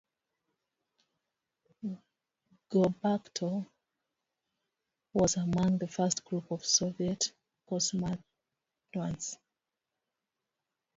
Gorbatko was among the first group of Soviet cosmonauts.